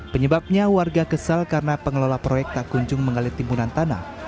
penyebabnya warga kesal karena pengelola proyek tak kunjung mengalir timbunan tanah